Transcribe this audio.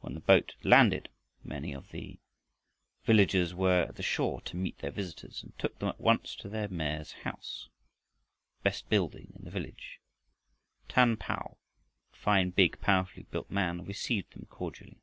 When the boat landed, many of the villagers were at the shore to meet their visitors and took them at once to their mayor's house, the best building in the village. Tan Paugh, a fine, big, powerfully built man, received them cordially.